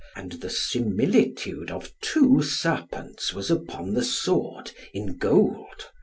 And the similitude of two serpents was upon the sword in gold.